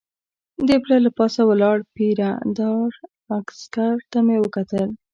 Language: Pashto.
د پله له پاسه ولاړ پیره دار عسکر ته مې وکتل.